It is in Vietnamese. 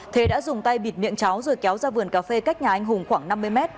thế đã dùng tay bịt miệng cháu rồi kéo ra vườn cà phê cách nhà anh hùng khoảng năm mươi mét